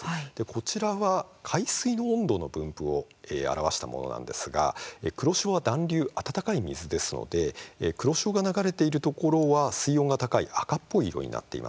こちらは海水の温度の分布を表したものなんですが黒潮は暖流、暖かい水ですので黒潮が流れているところは水温が高い赤っぽい色になっています。